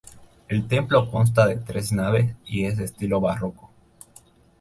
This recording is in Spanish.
El templo consta de tres naves y es de estilo barroco.